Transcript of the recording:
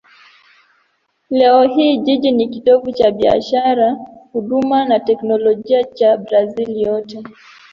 Leo hii jiji ni kitovu cha biashara, huduma na teknolojia cha Brazil yote.